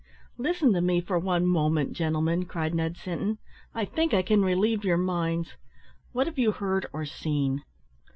"Listen to me for one moment, gentlemen," cried Ned Sinton. "I think I can relieve your minds. What have you heard or seen?"